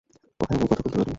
ওখানে যেয়ে কথা বলতে পারি?